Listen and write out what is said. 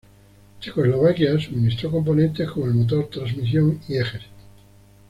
Checoslovaquia suministró componentes como el motor, transmisión y ejes.